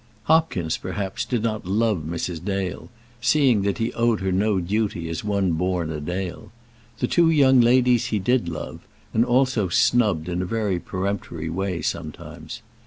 Hopkins, perhaps, did not love Mrs. Dale, seeing that he owed her no duty as one born a Dale. The two young ladies he did love, and also snubbed in a very peremptory way sometimes.